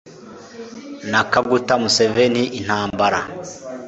na kaguta museveni intambara